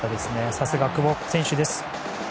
さすが久保選手です。